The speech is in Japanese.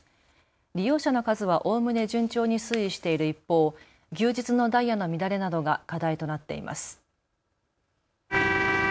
利用者の数はおおむね順調に推移している一方、休日のダイヤの乱れなどが課題となっています。